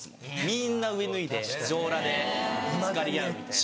みんな上脱いで上裸でぶつかり合うみたいな。